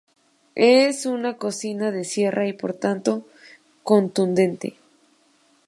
Es una cocina de sierra y por tanto contundente.